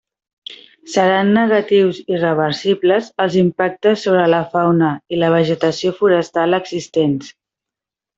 Seran negatius i reversibles els impactes sobre la fauna i la vegetació forestal existents.